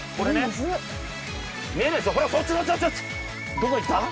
どこ行った？